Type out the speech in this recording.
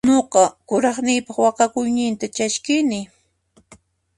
Nuqa kuraqniypaq waqhakuyninta chaskini.